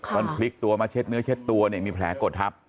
ตอนพลิกตัวมาเช็ดเนื้อเช็ดตัวเนี่ยมีแผลกดทับ